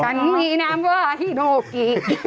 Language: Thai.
ฉันไม่นำว่าฮิโนกิ